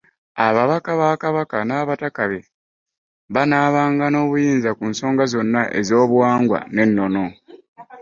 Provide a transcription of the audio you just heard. Ababaka ba Kabaka n’Abataka be banaabanga n’obuyinza ku nsonga zonna ez’ebyobuwangwa n’ennono.